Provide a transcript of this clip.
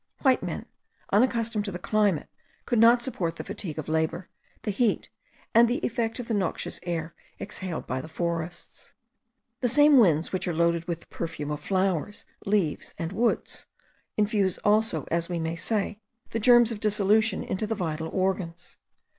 White men, unaccustomed to the climate, could not support the fatigue of labour, the heat, and the effect of the noxious air exhaled by the forests. The same winds which are loaded with the perfume of flowers, leaves, and woods, infuse also, as we may say, the germs of dissolution into the vital organs.